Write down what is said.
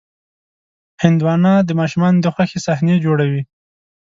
هندوانه د ماشومانو د خوښې صحنې جوړوي.